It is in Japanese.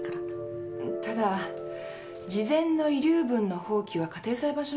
ただ事前の遺留分の放棄は家庭裁判所の許可が必要なんです。